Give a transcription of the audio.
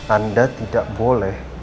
anda tidak boleh